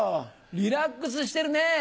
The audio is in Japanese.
リラックスしてるねぇ。